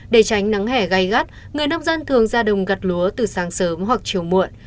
để tránh nắng hẻ gây gắt người nông dân thường ra đồng gặt lúa từ sáng sớm hoặc chiều muộn